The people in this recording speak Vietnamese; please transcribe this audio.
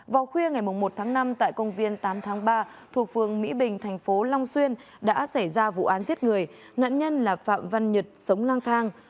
vào khuya ngày một tháng năm tại công viên tám tháng ba thuộc phường mỹ bình thành phố long xuyên đã xảy ra vụ án giết người nạn nhân là phạm văn nhật sống lang thang